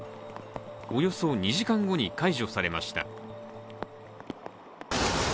およそ２時間後に解除されました。